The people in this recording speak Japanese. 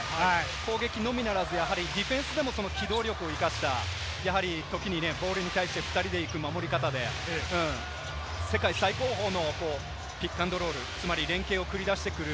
攻撃のみならず、ディフェンスでもその機動力を生かした、ときにボールに対して２人で行く守り方で世界最高峰のピックアンドロール、つまり連係を繰り出してくる